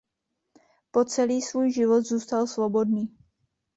Po celý svůj život zůstal svobodný.